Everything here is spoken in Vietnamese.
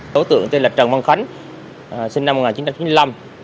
đối tượng tên là trần văn khánh sinh năm một nghìn chín trăm chín mươi năm